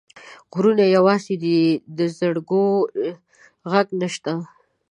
غرونه یوازي دي، د زرکو ږغ نشته